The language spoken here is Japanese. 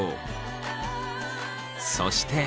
そして。